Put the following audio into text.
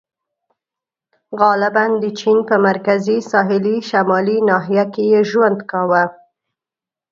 • غالباً د چین په مرکزي ساحلي شمالي ناحیه کې یې ژوند کاوه.